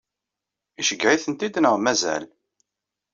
Iceggeɛ-itent-id neɣ mazal?